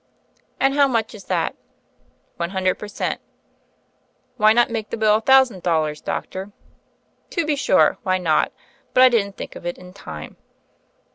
"And how much is that?" "One hundred per cent." "Why not make the bill a thousand dollars, doctor?^' "To be sure, why not? But I didn't think of it in time.'